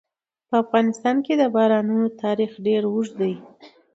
په افغانستان کې د بارانونو تاریخ ډېر اوږد دی.